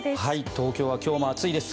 東京は今日も暑いです。